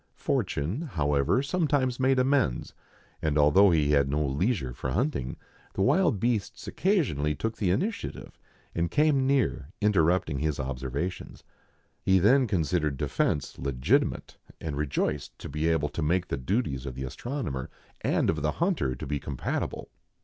Fortune, however, sometimes made amends ; for although he had no leisure for hunting, the wild beasts occasionally took the initiative, and came near, interrupting his observations. He then considered defence legitimate, and rejoiced to be able to make the duties of the astronomer and of the hunter to be compatible.